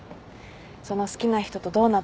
その好きな人とどうなったの？